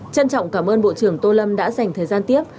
trân trọng cảm ơn bộ trưởng tô lâm đã dành thời gian tiếp